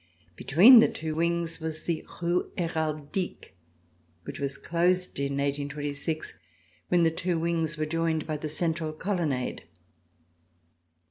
Between the two wings was the Rue Heraldique, which was closed in 1826 when the two wings were joined by the central colonnade.